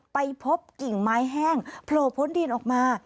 ไปพบกิ่งไม้แห้งโผล่พ้นดินออกมา